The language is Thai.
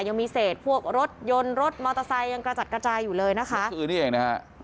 ยังมีเศษพวกรถยนต์รถมอเตอร์ไซค์ยังกระจัดกระจายอยู่เลยนะคะเมื่อคืนนี้เองนะฮะ